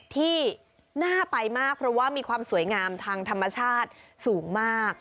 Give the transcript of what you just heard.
ที่น่าไปมากเพราะว่ามีความสวยงามทางธรรมชาติสูงมาก